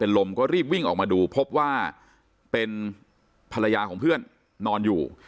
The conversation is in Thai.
ลมก็รีบวิ่งออกมาดูพบว่าเป็นภรรยาของเพื่อนนอนอยู่